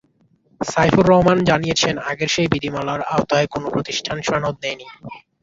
সাইফুর রহমান জানিয়েছেন, আগের সেই বিধিমালার আওতায় কোনো প্রতিষ্ঠান সনদ নেয়নি।